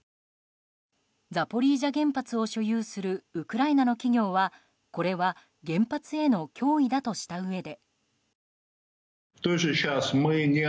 ザポリージャ原発を所有するウクライナの企業はこれは原発への脅威だとしたうえで。